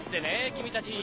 君たち。